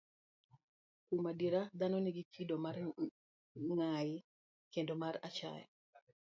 Kuom adier, dhano nigi kido mar ng'ayi kendo mar achaya.